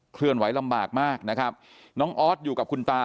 เคลื่อนไหวลำบากมากนะครับน้องออสอยู่กับคุณตา